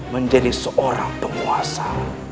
menjadi seorang penguasa